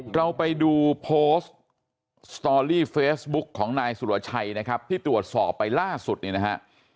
เราไปดูโพสต์สตอรี่เฟซบุ๊กของนายสุรชัยนะครับที่ตรวจสอบไปล่าสุดเนี่ยนะฮะ